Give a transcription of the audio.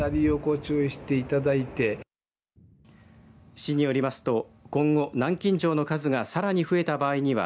市によりますと今後、南京錠の数がさらに増えた場合には